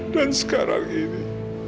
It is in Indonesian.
dan sekarang ini